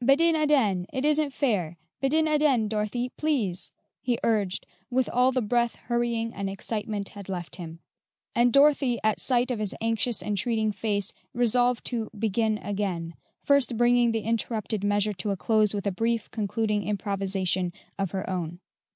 "Bedin aden; it isn't fair; bedin aden, Dorothy, please," he urged with all the breath hurrying and excitement had left him; and Dorothy, at sight of his anxious, entreating face, resolved to "begin again," first bringing the interrupted measure to a close with a brief concluding improvisation of her own.